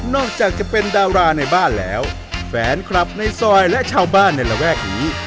จากจะเป็นดาราในบ้านแล้วแฟนคลับในซอยและชาวบ้านในระแวกนี้